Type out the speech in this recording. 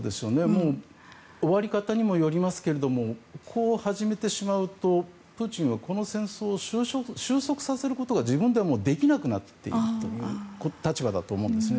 終わり方にもよりますけどこう始めてしまうとプーチンはこの戦争を終息させることが自分ではもうできなくなっている立場だと思うんですね。